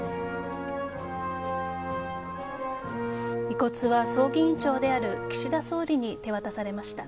遺骨は葬儀委員長である岸田総理に手渡されました。